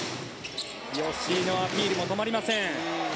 吉井のアピールも止まりません。